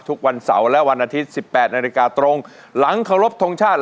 ทุกวันเสาร์และวันอาทิตย์๑๘นาฬิกาตรงหลังเคารพทงชาติ